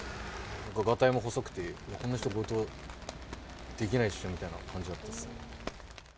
がたいも細くて、こんな人、強盗できないでしょみたいな感じだったです。